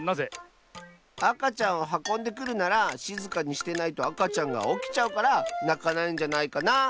あかちゃんをはこんでくるならしずかにしてないとあかちゃんがおきちゃうからなかないんじゃないかな。